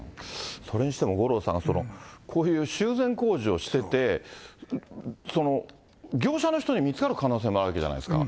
それにしても五郎さん、こういう修繕工事をしてて、業者の人に見つかる可能性もあるわけじゃないですか。